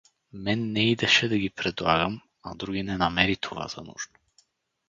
Мен не идеше да ги предлагам, а други не намери това за нужно.